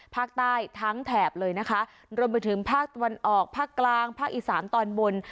ภาคใต้ทั้งแถบเลยนะคะรวมไปถึงภาคตะวันออกภาคกลางภาคอีสานตอนบน